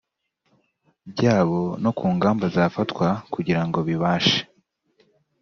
byabo no ku ngamba zafatwa kugira ngo bibashe